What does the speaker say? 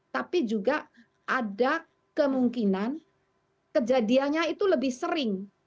tapi juga ada kemungkinan kejadiannya itu lebih sering